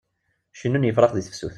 Cennun yefṛax deg tefsut.